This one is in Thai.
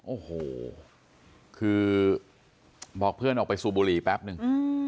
โอ้โหคือบอกเพื่อนออกไปสูบบุหรี่แป๊บนึง